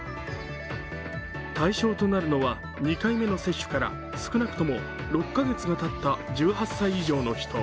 対象となるのは２回目の接種から少なくとも６カ月がたった１８歳以上の人。